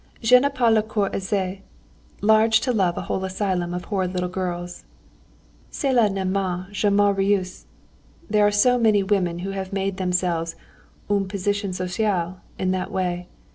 Je n'ai pas le cœur assez large to love a whole asylum of horrid little girls. Cela ne m'a jamais réussi. There are so many women who have made themselves une position sociale in that way.